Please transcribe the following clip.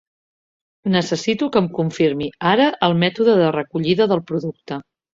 Necessito que em confirmi ara el mètode de recollida del producte.